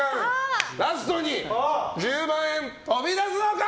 ラストに１０万円飛び出すのか？